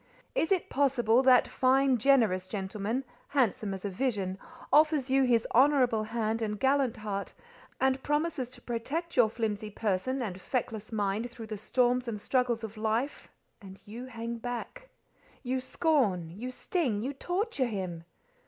Is it possible that fine generous gentleman—handsome as a vision—offers you his honourable hand and gallant heart, and promises to protect your flimsy person and feckless mind through the storms and struggles of life—and you hang back—you scorn, you sting, you torture him!